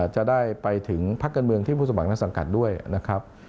จะได้ไปถึงพักการเมืองที่ผู้สมัครนักสังกัดด้วยนะครับ